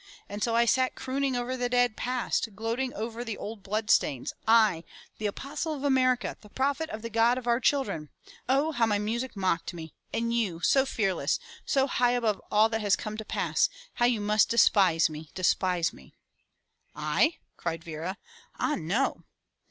* And so I sat crooning over the dead past, gloating over the old blood stains, I, the apostle of America, the prophet of the God of our children. Oh, how my music mocked me! And you, so fearless, so high above all 213 MY BOOK HOUSE that has come to pass, how you must despise me, despise me!'' "I?" cried Vera. "Ah no!"